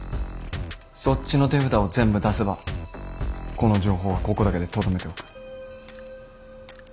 そっちの手札を全部出せばこの情報はここだけでとどめておく。